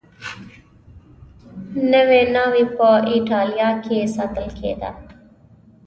نوې ناوې په اېټالیا کې ساتل کېده.